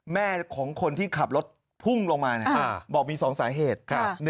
แม่ของคนที่ขับรถพุ่งลงมาบอกมี๒สาเหตุ